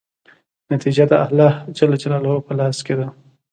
نتیجه د الله په لاس کې ده.